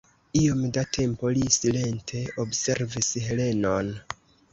Iom da tempo li silente observis Helenon.